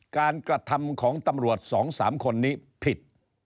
กระทำของตำรวจ๒๓คนนี้ผิด